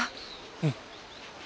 うん。